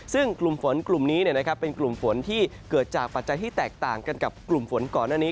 ซึ่งกลุ่มฝนกลุ่มนี้เป็นกลุ่มฝนที่เกิดจากปัจจัยที่แตกต่างกันกับกลุ่มฝนก่อนหน้านี้